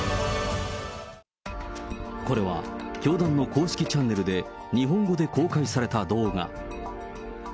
これは教団の公式チャンネルで日本語で公開された動画。